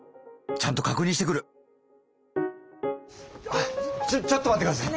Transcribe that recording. あちょちょっと待ってください。